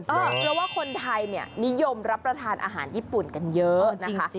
เพราะว่าคนไทยเนี่ยนิยมรับประทานอาหารญี่ปุ่นกันเยอะนะคะ